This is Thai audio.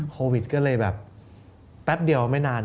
โควิดก็เลยแบบแป๊บเดียวไม่นาน